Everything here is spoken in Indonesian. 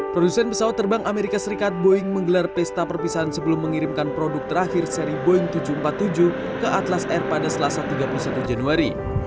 produsen pesawat terbang amerika serikat boeing menggelar pesta perpisahan sebelum mengirimkan produk terakhir seri boeing tujuh ratus empat puluh tujuh ke atlas air pada selasa tiga puluh satu januari